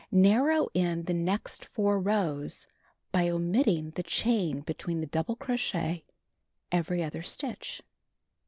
Narrow in the next 4 rows by omitting the chain between the double crochet every other stitch.